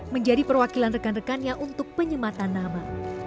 menjadi perwakilan rekan rekannya untuk penyematan nama